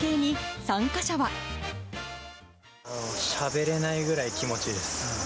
しゃべれないぐらい気持ちいいです。